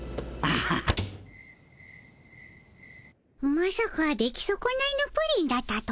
まさか出来そこないのプリンだったとはの。